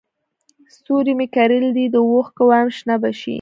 ستوري مې کرلي دي د اوښکو وایم شنه به شي